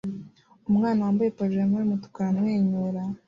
Umwana wambaye pajama yumutuku aramwenyura